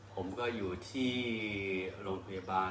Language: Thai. ผมก็อยู่ที่โรงพยาบาล